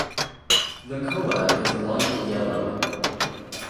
The color is light yellow.